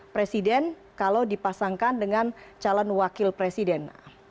presiden kalau dipasangkan dengan calon wakil presiden